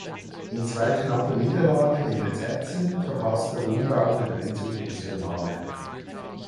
In zwei knappen Niederlagen in den Sätzen verpasste Ungarn den Einzug in das Finale.